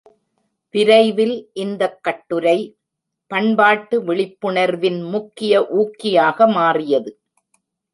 விரைவில் இந்தக் கட்டுரை பண்பாட்டு விழிப்புணர்வின் முக்கிய ஊக்கியாக மாறியது.